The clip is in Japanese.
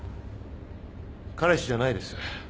彼氏じゃないです。